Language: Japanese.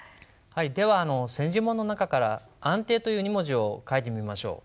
では千字文の中から「安定」という２文字を書いてみましょう。